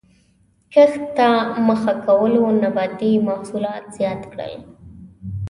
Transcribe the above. کښت ته مخه کولو نباتي محصولات زیات کړل.